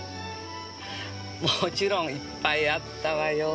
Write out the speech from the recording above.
もちろんいっぱいあったわよ。